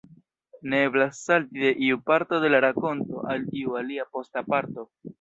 Ne eblas salti de iu parto de la rakonto al iu alia posta parto.